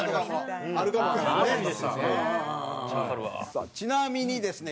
さあちなみにですね